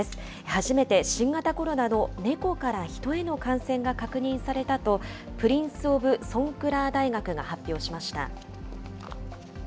初めて新型コロナのネコからヒトへの感染が確認されたと、プリンス・オブ・ソンクラー大学が発表しました。